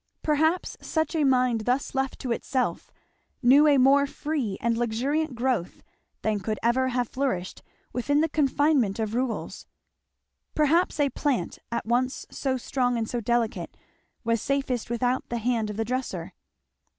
Perhaps such a mind thus left to itself knew a more free and luxuriant growth than could ever have flourished within the confinement of rules. Perhaps a plant at once so strong and so delicate was safest without the hand of the dresser.